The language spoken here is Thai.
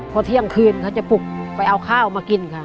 พอเที่ยงคืนเขาจะปลุกไปเอาข้าวมากินค่ะ